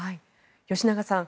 吉永さん